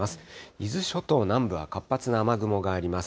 伊豆諸島南部は活発な雨雲があります。